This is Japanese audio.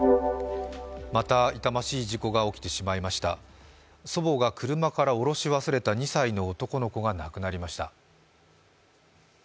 また痛ましい事故が起きてしまいました祖母が車から降ろし忘れた２歳の男の子が亡くなりました。